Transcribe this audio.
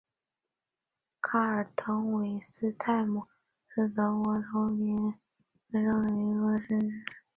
卡尔滕韦斯泰姆是德国图林根州的一个市镇。